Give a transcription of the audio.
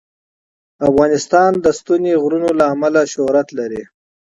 افغانستان د ستوني غرونه له امله شهرت لري.